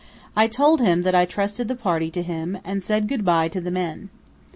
I told him that I trusted the party to him and said good bye to the men.